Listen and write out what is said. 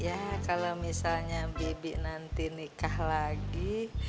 ya kalau misalnya bibi nanti nikah lagi